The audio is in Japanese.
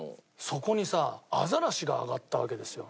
そこにさアザラシが揚がったわけですよ。